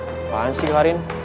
apaan sih karin